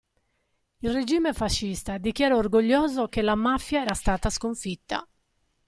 Il regime fascista dichiarò orgoglioso che la mafia era stata sconfitta.